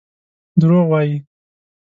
دروغ وايي.